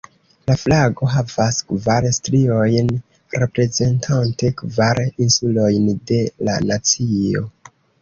La flago havas kvar striojn, reprezentante kvar insulojn de la nacio.